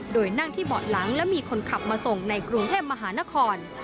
โดยนั่งที่เบาะหลังและมีคนขับมาส่งในกรุงเทพมหานคร